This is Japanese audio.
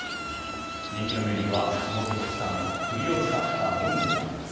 人気のメニューは、地元特産のくりを使ったモンブランです。